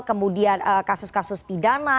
kemudian kasus kasus pidana